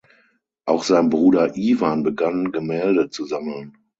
Auch sein Bruder Iwan begann Gemälde zu sammeln.